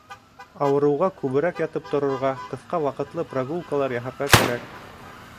Ауырыуға күберәк ятып торорға, ҡыҫҡа ваҡытлы прогулкалар яһарға кәрәк.